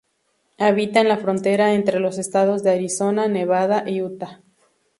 Habita en la frontera entre los estados de Arizona, Nevada y Utah.